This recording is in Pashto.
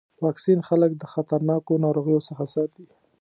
واکسین خلک د خطرناکو ناروغیو څخه ساتي.